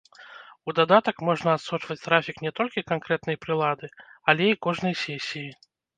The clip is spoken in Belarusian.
У дадатак можна адсочваць трафік не толькі канкрэтнай прылады, але і кожнай сесіі.